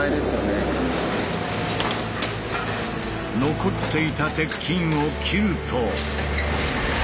残っていた鉄筋を切ると。